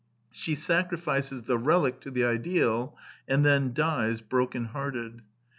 She sacrifices the relic to the ideal, and then dies, broken hearted.